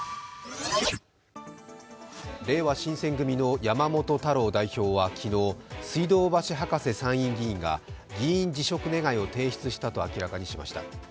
れいわ新選組の山本太郎代表は昨日、水道橋博士参院議員が議員辞職願を提出したと明らかにしました。